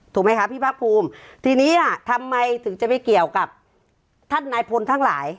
ถูกไหมคะพี่ภาคภูมิทีนี้ล่ะทำไมถึงจะไปเกี่ยวกับท่านนายพลทั้งหลาย